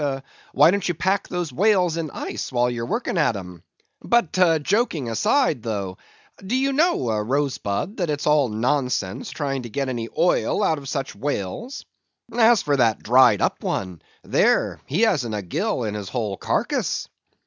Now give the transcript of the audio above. why don't you pack those whales in ice while you're working at 'em? But joking aside, though; do you know, Rose bud, that it's all nonsense trying to get any oil out of such whales? As for that dried up one, there, he hasn't a gill in his whole carcase."